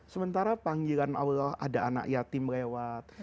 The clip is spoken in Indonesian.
sementara panggilan allah ada anak yatim lewat